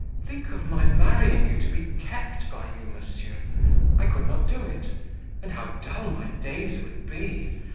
"Think of my marrying you to be kept by you, monsieur! I could not do it; and how dull my days would be!